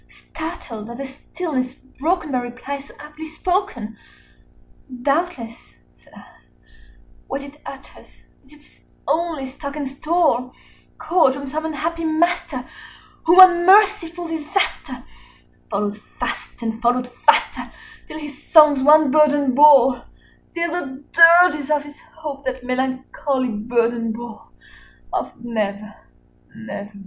60 Startled at the stillness broken by reply so aptly spoken, "Doubtless," said I, "what it utters is its only stock and store, Caught from some unhappy master whom unmerciful Disaster Followed fast and followed faster till his songs one burden bore Till the dirges of his Hope that melancholy burden bore 65 Of 'Never nevermore.'"